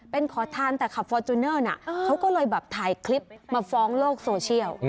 เป็นขอทานแต่ขับฟอร์จูเนอร์น่ะเขาก็เลยแบบถ่ายคลิปมาฟ้องโลกโซเชียล